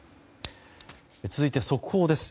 続いて速報です。